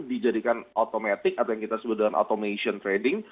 dijadikan automatic atau yang kita sebut dengan automation trading